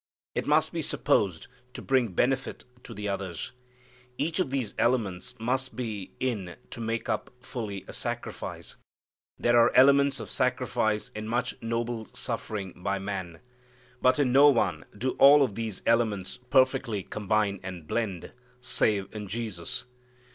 It must be supposed to bring benefit to the others. Each of these elements must be in to make up fully a sacrifice. There are elements of sacrifice in much noble suffering by man. But in no one do all of these elements perfectly combine and blend, save in Jesus.